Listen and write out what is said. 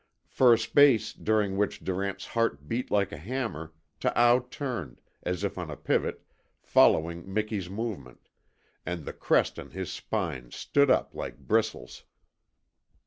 For a space during which Durant's heart beat like a hammer Taao turned, as if on a pivot, following Miki's movement, and the crest on his spine stood up like bristles.